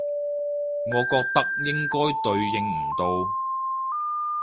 我覺得應該對應唔到